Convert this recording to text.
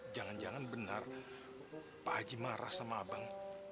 jangan jangan benar pak haji marah sama abang